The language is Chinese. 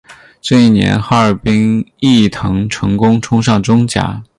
这一年哈尔滨毅腾成功冲上中甲。